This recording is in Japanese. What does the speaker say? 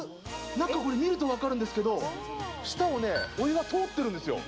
中、これ、見ると分かるんですけど、下をね、お湯が通ってるんですよ。